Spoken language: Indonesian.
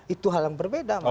itu hal yang berbeda